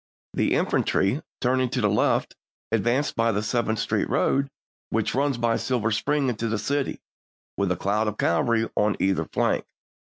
The infantry, turning to the left, advanced by the Seventh Street road, which runs by Silver Spring into the city, with a cloud of cavalry on either flank.